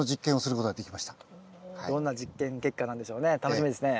どんな実験結果なんでしょうね楽しみですね。